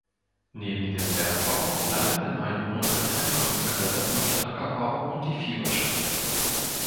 Neben dem Bergbau bleiben den Einwohnern als Einkommensquelle noch der Ackerbau und die Viehwirtschaft.